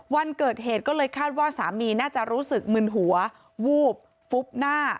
วันเกิดเหตุก็เลยคาดว่าสามีน่าจะรู้สึกมึนหัววูบฟุบหน้า